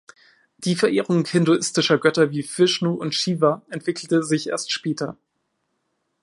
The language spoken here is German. Die Verehrung hinduistischer Götter wie Vishnu und Shiva entwickelte sich erst später.